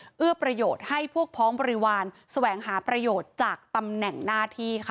เอื้อประโยชน์ให้พวกพ้องบริวารแสวงหาประโยชน์จากตำแหน่งหน้าที่ค่ะ